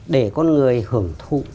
để con người hưởng thụ